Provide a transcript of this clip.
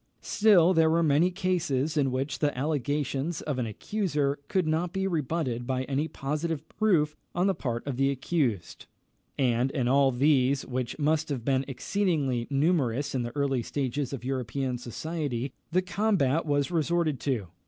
Still there were many cases in which the allegations of an accuser could not be rebutted by any positive proof on the part of the accused; and in all these, which must have been exceedingly numerous in the early stages of European society, the combat was resorted to.